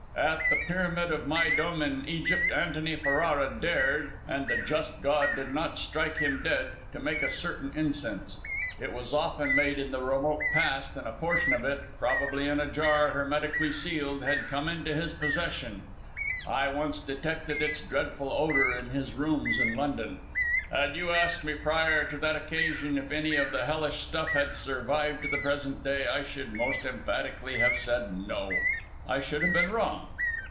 At the Pyramid of Méydûm in Egypt, Antony Ferrara dared and the just God did not strike him dead to make a certain incense. It was often made in the remote past, and a portion of it, probably in a jar hermetically sealed, had come into his possession. I once detected its dreadful odour in his rooms in London. Had you asked me prior to that occasion if any of the hellish stuff had survived to the present day, I should most emphatically have said no; I should have been wrong.